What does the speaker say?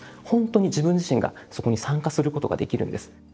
本当に自分自身がそこに参加することができるんです。